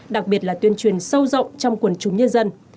đặc biệt là tuyên truyền sâu rộng trong quần chúng nhân dân